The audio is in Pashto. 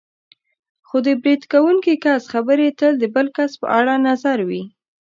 خو د برید کوونکي کس خبرې تل د بل کس په اړه نظر وي.